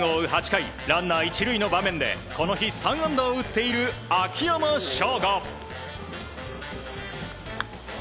８回ランナー、１塁の場面でこの日、３安打を打っている秋山翔吾。